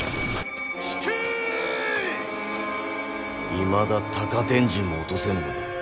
いまだ高天神も落とせぬのか。